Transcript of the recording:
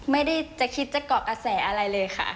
ไม่ได้จะคิดจะเกาะกระแสอะไรเลยค่ะ